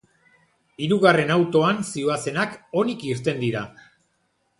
Hirugarren autoan zihoazenak onik irten dira.